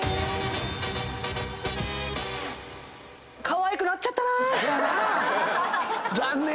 かわいくなっちゃったから。